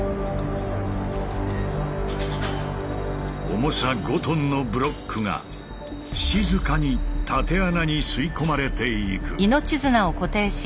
重さ５ｔのブロックが静かに縦穴に吸い込まれていく。